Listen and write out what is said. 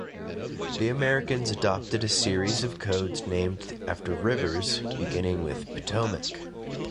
The Americans adopted a series of codes named after rivers, beginning with "Potomac".